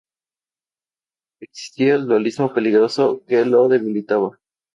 Existía un dualismo peligroso que lo debilitaba.